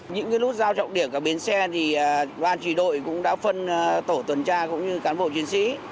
những lúc giao trọng điểm cả bến xe thì đoàn trùy đội cũng đã phân tổ tuần tra cũng như cán bộ chiến sĩ